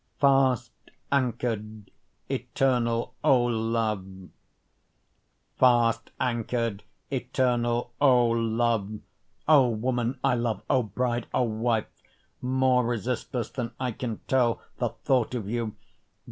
Fast Anchor'd Eternal O Love! Fast anchor'd eternal O love! O woman I love! O bride! O wife! more resistless than I can tell, the thought of you!